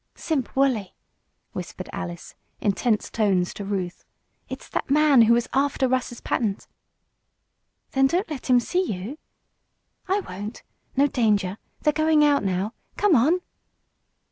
"Simp Wolley!" whispered Alice, in tense tones to Ruth. "It's that man who was after Russ's patent." "Then don't let him see you." "I won't no danger. They're going out now. Come on!"